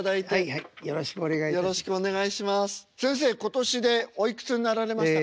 今年でおいくつになられましたか？